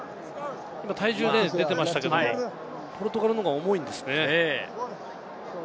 今、体重が出ていましたが、ポルトガルの方が重いんですね。